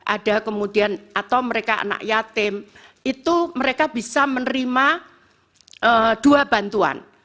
ada kemudian atau mereka anak yatim itu mereka bisa menerima dua bantuan